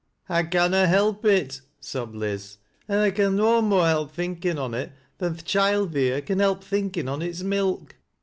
" I canna help it," sobbed Liz ;" an' I can no more help thinkin' on it, than th' choild theer can help thinkin' on its milk.